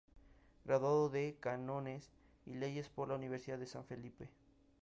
Graduado de Cánones y Leyes por la Universidad de San Felipe.